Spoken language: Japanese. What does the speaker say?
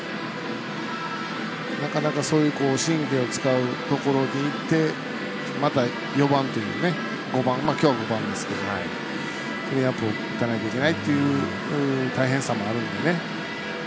なかなかそういう神経を使うところにいってまた、４番という今日は５番ですけど打たないといけないっていう大変さもあるんで。